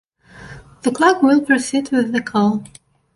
The clerk will proceed with the call.